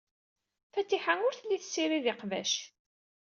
Fatiḥa ur telli tessirid iqbac.